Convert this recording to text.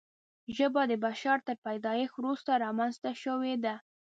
ژبه د بشر تر پیدایښت وروسته رامنځته شوې ده.